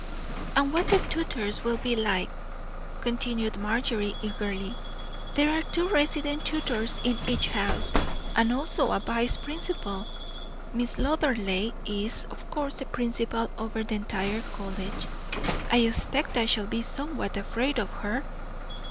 "And what the tutors will be like," continued Marjorie eagerly. "There are two resident tutors in each house, and also a vice principal. Miss Lauderdale is, of course, the principal over the entire college. I expect I shall be somewhat afraid of her."